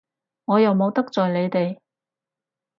我又冇得罪你哋！